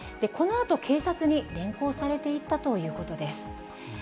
このあと警察に連行されていったということです。